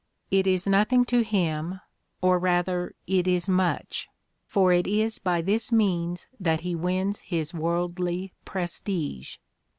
It is nothing to him, or rather it is much: for it is by this means that he wins his worldly prestige.